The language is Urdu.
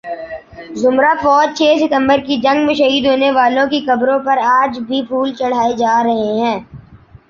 ذمرہ فوج چھ ستمبر کی جنگ میں شہید ہونے والوں کی قبروں پر آج بھی پھول چڑھائے جا رہے ہیں